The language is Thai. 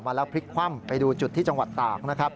มาแล้วพลิกคว่ำไปดูจุดที่จังหวัดต่าง